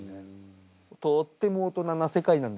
とっても大人な世界なんだけど。